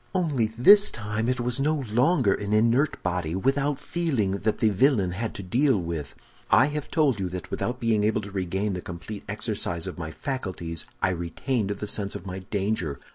"Only this time it was no longer an inert body, without feeling, that the villain had to deal with. I have told you that without being able to regain the complete exercise of my faculties, I retained the sense of my danger.